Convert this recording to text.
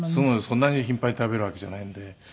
そんなに頻繁に食べるわけじゃないんで。